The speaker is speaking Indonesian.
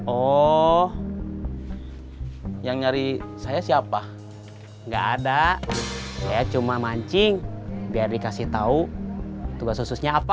oh yang nyari saya siapa enggak ada ya cuma mancing biar dikasih tahu tugas khususnya apa